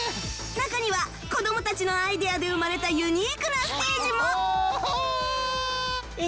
中には子どもたちのアイデアで生まれたユニークなステージもあーっ！